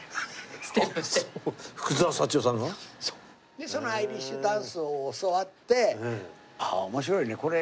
でそのアイリッシュダンスを教わって「ああ面白いねこれ」。